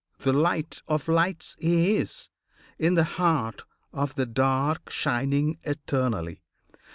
The Light of Lights He is, in the heart of the Dark Shining eternally.